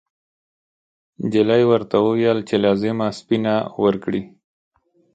نجلۍ ورته وویل چې لازمه سپینه ورکړي.